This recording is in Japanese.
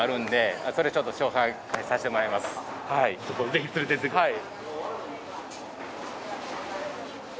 ぜひ連れていってください。